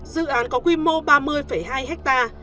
dự án có quy mô ba mươi hai ha